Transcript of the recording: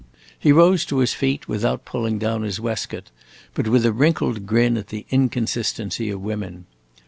He rose to his feet, without pulling down his waistcoat, but with a wrinkled grin at the inconsistency of women.